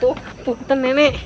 aduh pungten nenek